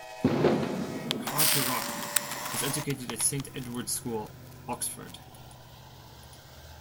Carter-Ruck was educated at Saint Edward's School, Oxford.